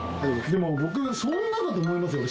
でも僕そんなかと思いますよ